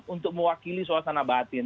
untuk mewakili suasana batin